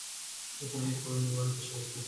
د ټولنیزو کړنو بڼه تشریح کړه.